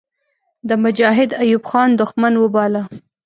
د مجاهد ایوب خان دښمن وباله.